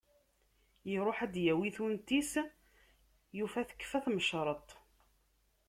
Iruḥ ad d-yawi tunt-is, yufa tekfa tmecreṭ.